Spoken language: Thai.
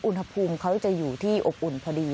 อุณหภูมิเขาจะอยู่ที่อบอุ่นพอดี